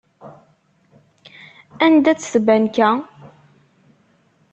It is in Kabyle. Anda-tt tbanka?